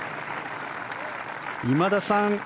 今田さん